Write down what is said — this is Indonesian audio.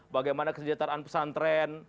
bagaimana kesejahteraan pesantren